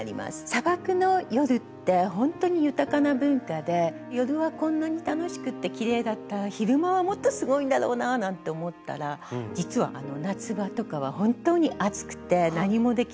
砂漠の夜ってほんとに豊かな文化で夜はこんなに楽しくてきれいだったら昼間はもっとすごいんだろうななんて思ったら実は夏場とかは本当に暑くて何もできずに。